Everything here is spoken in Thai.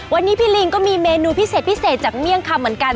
วันนี้พี่ลิงก็มีเมนูพิเศษพิเศษจากเมี่ยงคำเหมือนกัน